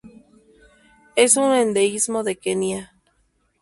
Es un endemismo de Kenia.